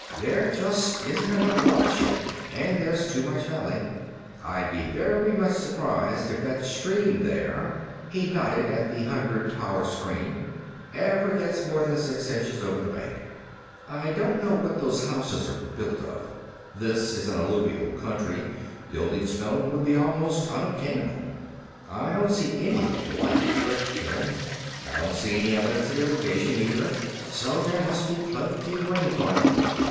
"There just isn't enough watershed, and there's too much valley. I'll be very much surprised if that stream, there" he nodded at the hundred power screen "ever gets more than six inches over the bank." "I don't know what those houses are built of. This is all alluvial country; building stone would be almost unobtainable. I don't see anything like a brick kiln. I don't see any evidence of irrigation, either, so there must be plenty of rainfall.